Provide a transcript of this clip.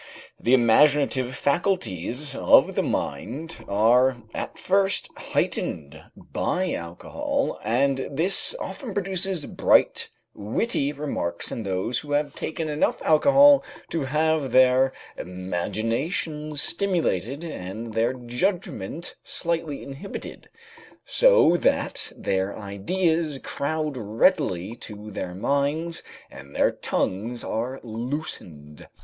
The imaginative faculties of the mind are at first heightened by alcohol, and this often produces bright, witty remarks in those who have taken enough alcohol to have their imaginations stimulated and their judgment slightly inhibited, so that their ideas crowd readily to their minds and their tongues are loosened.